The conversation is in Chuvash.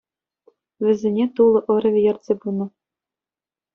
Вӗсене Тулӑ ӑрӑвӗ ертсе пынӑ.